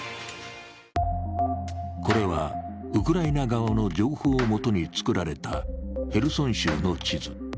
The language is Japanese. これはウクライナ側の情報をもとに作られたヘルソン州の地図。